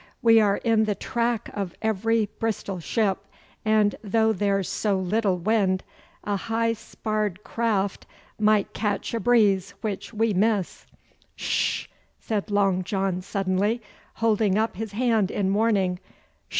'We are in the track of every Bristol ship, and though there's so little wind, a high sparred craft might catch a breeze which we miss.' 'Sh!' said Long John suddenly, holding up his hand in warning.